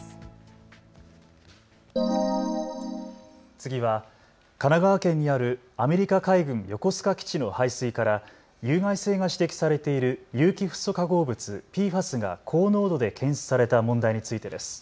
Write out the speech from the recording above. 次は神奈川県にあるアメリカ海軍横須賀基地の排水から有害性が指摘されている有機フッ素化合物、ＰＦＡＳが高濃度で検出された問題についてです。